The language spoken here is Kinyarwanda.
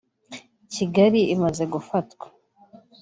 Kigali imaze gufatwa